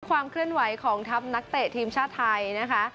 ความเคลื่อนไหวของทัพนักเตะทีมชาติไทยนะคะ